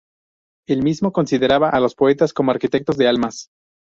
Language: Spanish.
Él mismo consideraba a los poetas como "arquitectos de almas".